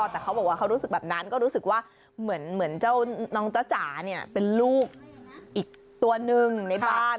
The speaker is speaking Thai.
แต่เขาบอกว่าเขารู้สึกแบบนั้นก็รู้สึกว่าเหมือนเจ้าน้องจ๊ะจ๋าเนี่ยเป็นลูกอีกตัวหนึ่งในบ้าน